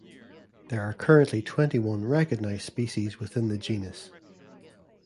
There are currently twenty-one recognised species within the genus.